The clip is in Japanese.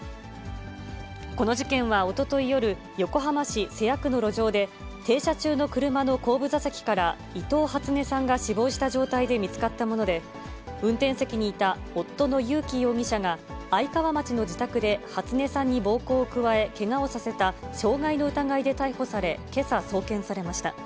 この事件はおととい夜、横浜市瀬谷区の路上で、停車中の車の後部座席から、伊藤初音さんが死亡した状態で見つかったもので、運転席にいた夫の裕樹容疑者が、愛川町の自宅で初音さんに暴行を加え、けがをさせた傷害の疑いで逮捕され、けさ送検されました。